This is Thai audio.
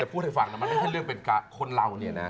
แต่พูดให้ฟังนะมันไม่ได้เลือกเป็นกับคนเราเนี่ยนะ